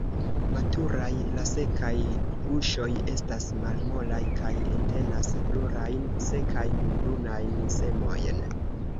Maturaj, la sekaj guŝoj estas malmolaj kaj entenas plurajn, sekajn, brunajn semojn.